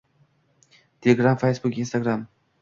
Telegram | Facebook | Instagram